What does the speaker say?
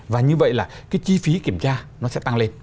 và như vậy là cái chi phí kiểm tra nó sẽ tăng lên